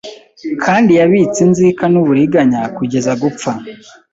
Kandi yabitse inzika n'uburiganya kugeza gupfa